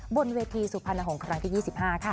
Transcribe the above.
บนเวทีสุพรรณหงษ์ครั้งที่๒๕ค่ะ